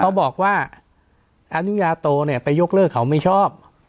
เขาบอกว่าอนุญาโตเนี่ยไปยกเลิกเขาไม่ชอบ